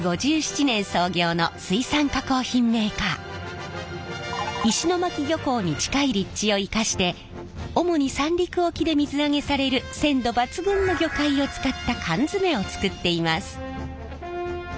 こちらは石巻漁港に近い立地を生かして主に三陸沖で水揚げされる鮮度抜群の魚介を使った缶詰を作っています。